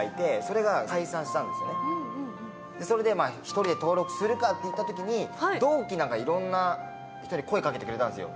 それで１人で登録するかって言ってたときに、同期とかいろんな人が声かけてくれたんですよ。